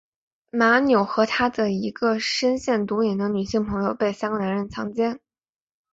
马纽和她的一个深陷毒瘾的女性朋友被三个男人强奸。